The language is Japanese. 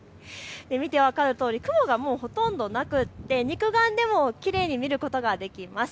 見て分かるとおり、雲がほとんどなくて、肉眼でもきれいに見ることができます。